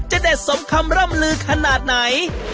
เด็ดสมคำร่ำลือขนาดไหน